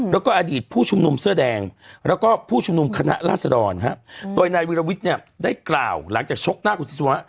แล้วก็อดีตผู้ชุมนุมเสื้อแดงแล้วก็ผู้ชุมนุมคณะราษฎรโดยนายวิรวิทย์เนี่ยได้กล่าวหลังจากชกหน้าคุณศิษวะ